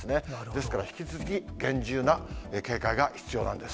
ですから、引き続き厳重な警戒が必要なんです。